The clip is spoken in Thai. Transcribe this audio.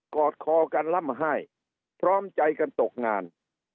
อดคอกันล่ำไห้พร้อมใจกันตกงาน